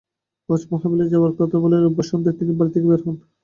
ওয়াজ মাহফিলে যাওয়ার কথা বলে রোববার সন্ধ্যায় তিনি বাড়ি থেকে বের হন।